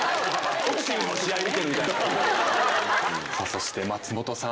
そして松本さん。